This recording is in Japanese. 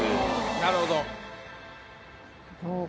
なるほど。